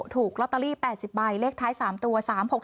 ถูกลอตเตอรี่๘๐ใบเลขท้าย๓ตัว๓๖๖